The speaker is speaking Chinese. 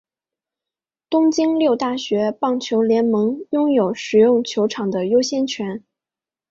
东京六大学棒球联盟拥有使用球场的优先权。